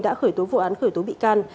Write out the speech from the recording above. đã khởi tố vụ án khởi tố bị can